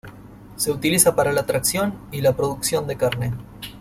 Se utiliza para la tracción y la producción de carne.